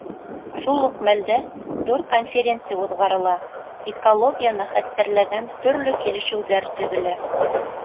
Шул уҡ мәлдә ҙур конференция уҙғарыла, экологияны хәстәрләгән төрлө килешеүҙәр төҙөлә.